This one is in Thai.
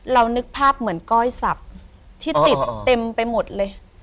นึกภาพเหมือนก้อยสับที่ติดเต็มไปหมดเลย